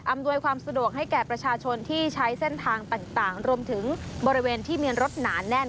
อวยความสะดวกให้แก่ประชาชนที่ใช้เส้นทางต่างรวมถึงบริเวณที่มีรถหนาแน่น